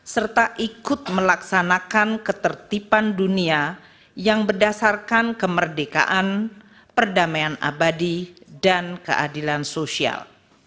serta ikut melaksanakan ketertiban dunia yang berdasarkan kemerdekaan perdamaian abadi dan keadilan sosial